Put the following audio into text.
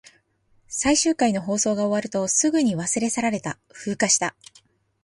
最終回の放送が終わると、すぐに忘れ去られた。風化した。